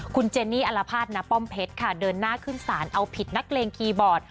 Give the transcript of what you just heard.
คุณเจนี่อัลภาษณป้อมเพชรค่ะเดินหน้าขึ้นสารเอาผิดนักเลงคีย์บอร์ด